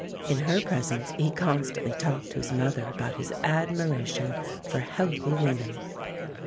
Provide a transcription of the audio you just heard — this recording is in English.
In her presence he constantly talked to his mother about his admiration for healthy women.